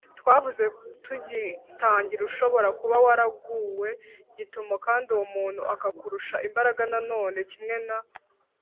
twavuze tugitangira ushobora kuba waraguwe gitumo kandi uwo muntu akakurusha imbaraga Nanone kimwe na